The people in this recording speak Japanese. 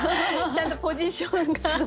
ちゃんとポジションが。